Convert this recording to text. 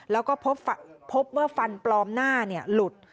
แล้วก็พบว่าฟันปลอมหน้าหลุด